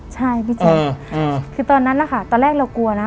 ใช่พี่เชนอืมอืมคือตอนนั้นแหละค่ะตอนแรกเรากลัวนะ